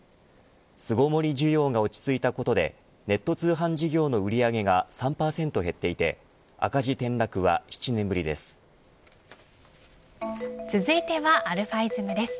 巣ごもり需要が落ち着いたことでネット通販事業の売上が３％減っていて続いてはαｉｓｍです。